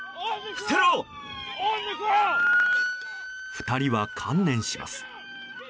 ２人は観念します。